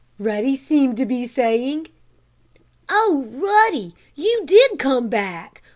Ruddy seemed to be saying. "Oh, Ruddy! You did come back!